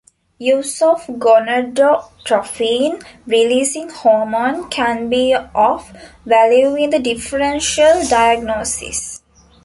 Use of gonadotropin releasing hormone can be of value in the differential diagnosis.